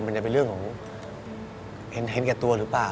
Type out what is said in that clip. มันจะเป็นเรื่องของเห็นแก่ตัวหรือเปล่า